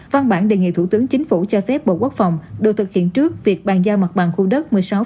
văn bản đề nghị thủ tướng chính phủ cho phép bộ quốc phòng đồ thực hiện trước việc bàn giao mặt bằng khu đất